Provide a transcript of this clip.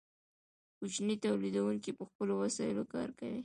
کوچني تولیدونکي په خپلو وسایلو کار کوي.